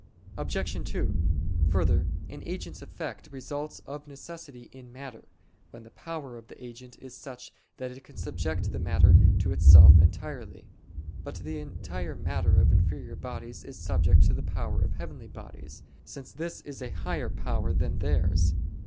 Obj. 2: Further, an agent's effect results of necessity in matter, when the power of the agent is such that it can subject the matter to itself entirely. But the entire matter of inferior bodies is subject to the power of heavenly bodies, since this is a higher power than theirs.